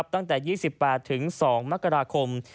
ตั้งแต่๒๘๒มกราคม